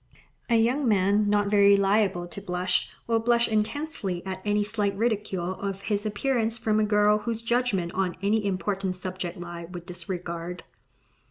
A young man, not very liable to blush, will blush intensely at any slight ridicule of his appearance from a girl whose judgment on any important subject he would disregard.